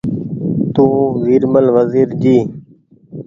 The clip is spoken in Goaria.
تو ويرمل وزير جي